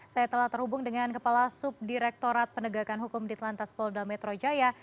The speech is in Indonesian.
saya telah terhubung dengan kepala subdirektorat penegakan hukum di telantas polda metro jaya